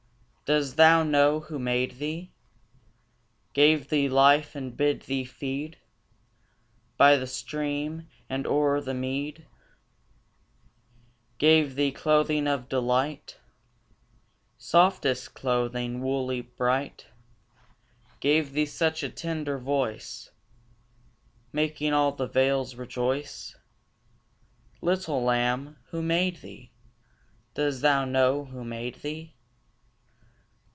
Does thou know who made thee, Gave thee life, and bid thee feed By the stream and o'er the mead; Gave thee clothing of delight, Softest clothing, woolly, bright; Gave thee such a tender voice, Making all the vales rejoice? Little lamb, who made thee? Does thou know who made thee?